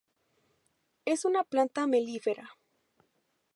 Es una planta melífera.